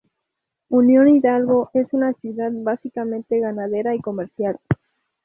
Unión Hidalgo es una ciudad básicamente ganadera y comercial.